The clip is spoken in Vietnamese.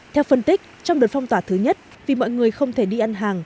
theo phân tích trong đợt phong tỏa thứ nhất vì mọi người không thể đi ăn hàng